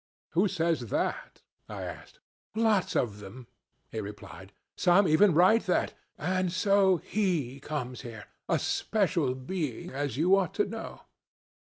'Who says that?' I asked. 'Lots of them,' he replied. 'Some even write that; and so he comes here, a special being, as you ought to know.'